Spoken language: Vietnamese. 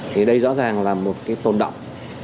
thì đây rõ ràng là một tồn động